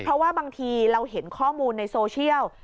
เพราะว่าบางทีเราเห็นข้อมูลในโซเชียล